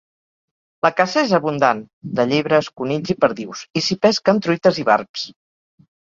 La caça és abundant, de llebres, conills i perdius, i s'hi pesquen truites i barbs.